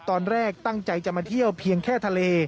ตอนแรกตั้งใจจะมาเที่ยวเพียงแค่ทะเล